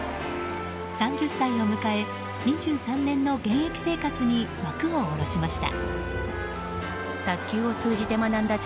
３０歳を迎え２３年の現役生活に幕を下ろしました。